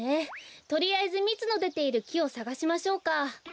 とりあえずみつのでているきをさがしましょうか。